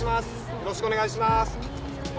よろしくお願いします